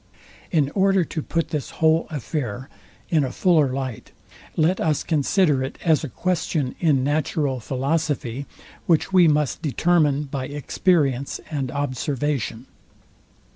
In order to put this whole affair in a fuller light, let us consider it as a question in natural philosophy, which we must determine by experience and observation.